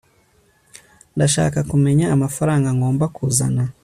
ndashaka kumenya amafaranga ngomba kuzana